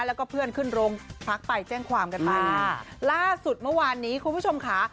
แล้วก็เพื่อนขึ้นโรงพักไปแจ้งความกันไปล่าสุดเมื่อวานนี้คุณผู้ชมค่ะ